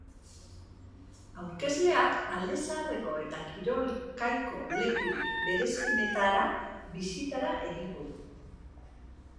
Aurkezleak alde zaharreko eta kirol kaiko lekurik berezienetara bisitara egingo du.